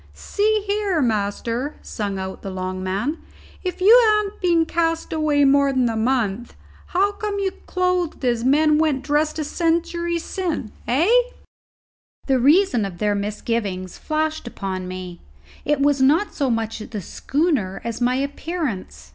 "See, here, master," sung out the long man, "if you han't been cast away more than a month, how come you clothed as men went dressed a century sin', hey?" The reason of their misgivings flashed upon me. It was not so much the schooner as my appearance.